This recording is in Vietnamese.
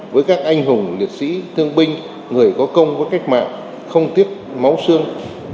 với các anh hùng liệt sĩ thương binh người có công với cách mạng không tiếc máu xương